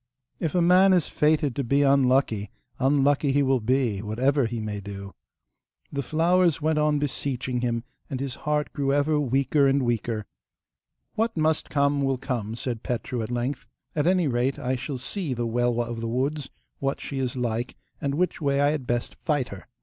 If a man is fated to be unlucky, unlucky he will be, whatever he may do! The flowers went on beseeching him, and his heart grew ever weaker and weaker. 'What must come will come,' said Petru at length; 'at any rate I shall see the Welwa of the woods, what she is like, and which way I had best fight her.